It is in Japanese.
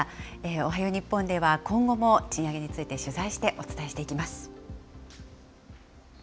おはよう日本では、今後も賃上げについて取材してお伝えしていきます。